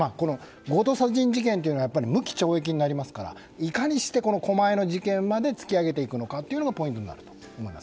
強盗殺人事件というのは無期懲役になりますからいかにして狛江の事件まで突き上げていくのかがポイントになると思います。